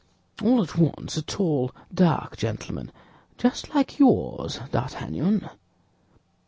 "All at once, a tall, dark gentleman—just like yours, D'Artagnan."